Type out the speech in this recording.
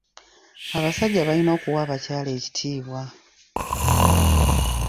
Abasajja balina okuwa abakyala ekitiibwa.